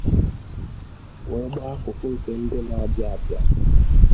wee gbaa akụkụ nke ndị na-abịa abịa